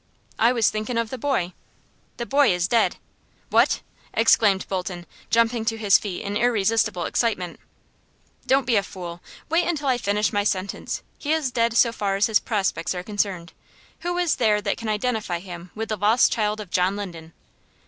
"I was thinkin' of the boy." "The boy is dead " "What!" exclaimed Bolton, jumping to his feet in irresistible excitement. "Don't be a fool. Wait till I finish my sentence. He is dead so far as his prospects are concerned. Who is there that can identify him with the lost child of John Linden?"